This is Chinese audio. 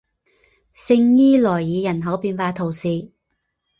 圣伊莱尔人口变化图示